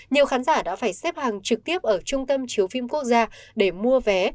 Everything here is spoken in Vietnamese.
nhiều khán giả đã phải xếp hàng trực tiếp ở trung tâm chiếu phim quốc gia để mua vé